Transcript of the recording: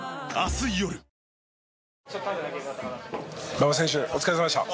馬場選手お疲れ様でした。